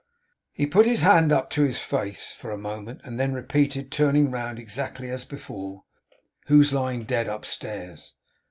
He put his hand up to his face for a moment; and then repeated turning round exactly as before: 'Who's lying dead upstairs?